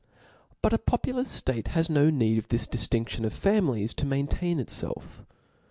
But a popular ftate has no need pf this diftinftion of families tq maintain itfelf.